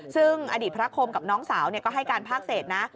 ซึ่งอดีตพระคมกับน้องสาวก็ให้การภาคเศษนะ